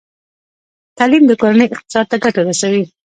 تعلیم د کورنۍ اقتصاد ته ګټه رسوي۔